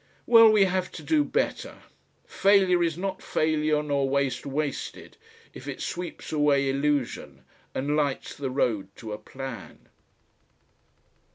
Well, we have to do better. Failure is not failure nor waste wasted if it sweeps away illusion and lights the road to a plan.